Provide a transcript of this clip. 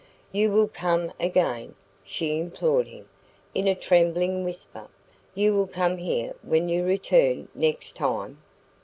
"You will come again?" she implored him, in a trembling whisper. "You will come here when you return next time?"